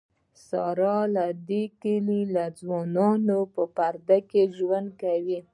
ساره له د کلي له ځوانانونه په پرده کې ژوند کوي.